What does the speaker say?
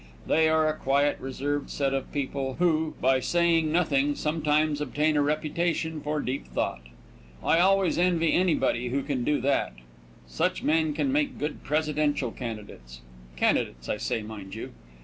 They are a quiet, reserved set of people, who, by saying nothing, sometimes obtain a reputation for deep thought. I always envy anybody who can do that. Such men make good presidential candidates. Candidates, I say, mind you.